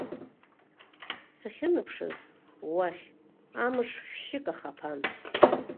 Сахьынаԥшыз, уахь, амш шәшьык ахаԥан.